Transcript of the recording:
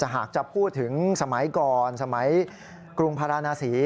หากจะพูดถึงสมัยก่อนสมัยกรุงพารานาศรี